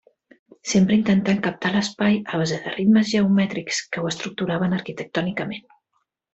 Sempre intentant captar l'espai a base de ritmes geomètrics que ho estructuraven arquitectònicament.